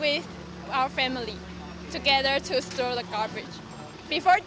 kita harus bersama keluarga untuk membuang sampah